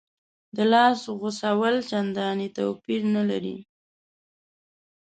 د لاس غوڅول چندانې توپیر نه لري.